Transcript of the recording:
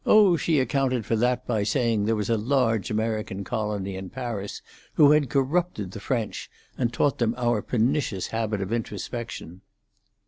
"Oh, she accounted for that by saying there was a large American colony in Paris, who had corrupted the French, and taught them our pernicious habit of introspection."